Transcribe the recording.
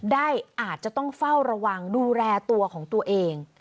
ได้อาจจะต้องเฝ้าระวังดูแลตัวของตัวเอง